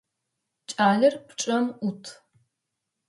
Кӏалэр пчъэм ӏут.